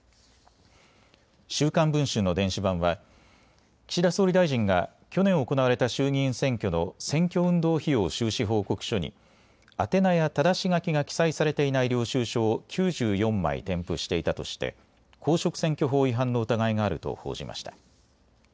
週刊文春の電子版は岸田総理大臣が去年行われた衆議院選挙の選挙運動費用収支報告書に宛名やただし書きが記載されていない領収書を９４枚添付していたとして公職選挙法違反の疑いがあると報じました。